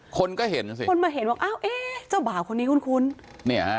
คนก็เห็นสิคนมาเห็นว่าอ้าวเอ๊ะเจ้าบ่าวคนนี้คุ้นเนี่ยฮะ